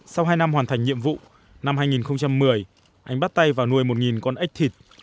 sau hai năm hoàn thành nhiệm vụ năm hai nghìn một mươi anh bắt tay vào nuôi một con ếch thịt